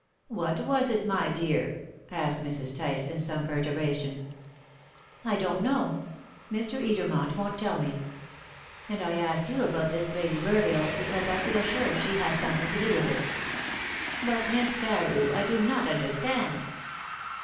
"What was it, my dear?" asked Mrs. Tice in some perturbation. "I don't know; Mr. Edermont won't tell me. And I asked you about this Lady Burville because I feel sure she has something to do with it." "But, Miss Carew, I do not understand!"